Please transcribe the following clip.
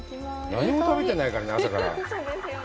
何も食べてないからね、朝から。